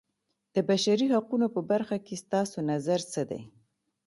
د بشري حقونو په برخه کې ستاسو نظر څه دی.